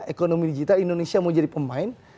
ekonomi digital indonesia mau jadi pemain